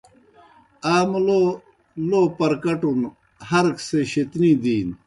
آ مُلو لو پرکَٹُن ہر ایْک سے شیطنی دِینوْ۔